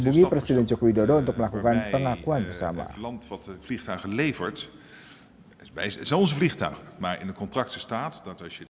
dan menghubungi presiden joko widodo untuk melakukan pengakuan bersama